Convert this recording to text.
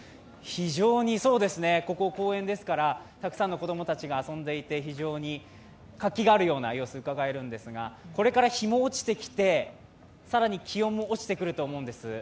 ここは公園ですからたくさんの子供たちが遊んでいて非常に活気があるような様子がうかがえるんですがこれから日も落ちてきて更に気温も落ちてくると思うんです。